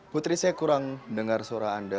putri saya kurang mendengar suara anda